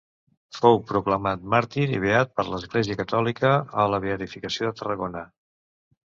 Fou proclamat màrtir i beat per l'Església catòlica a la Beatificació de Tarragona.